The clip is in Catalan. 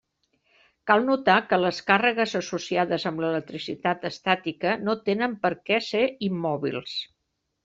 Cal notar que les càrregues associades amb l'electricitat estàtica no tenen per què ser immòbils.